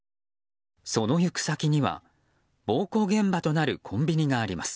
その行く先には暴行現場となるコンビニがあります。